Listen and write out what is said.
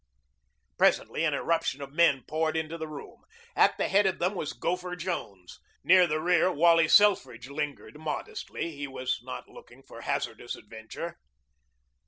Presently an eruption of men poured into the room. At the head of them was Gopher Jones. Near the rear Wally Selfridge lingered modestly. He was not looking for hazardous adventure.